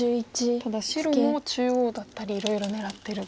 ただ白も中央だったりいろいろ狙ってる。